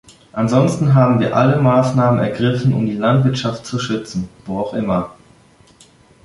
Ansonsten haben wir alle Maßnahmen ergriffen, um die Landwirtschaft zu schützen, wo auch immer.